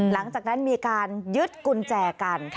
หลังจากนั้นมีการยึดกุญแจกัน